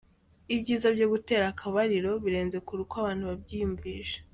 Ibyiza byo gutera akabariro birenze kure uko abantu babyiyumvisha.